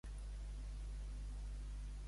Com va justificar la decisió Torra?